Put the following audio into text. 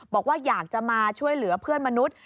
บอกว่าอยากจะมาช่วยเหลือเพื่อนมนุษย์